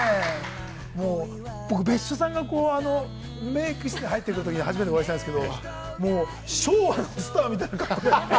別所さんがメイク室に入ってくるときに初めてお会いしたんですけれども、昭和のスターみたいな感じで。